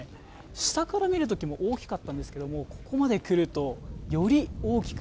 下から見る時も大きかったんですがここまで来るとより大きく